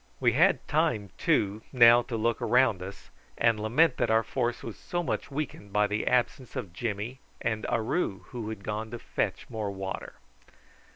We had time, too, now to look round us and lament that our force was so much weakened by the absence of Jimmy and Aroo, who had gone to fetch more water.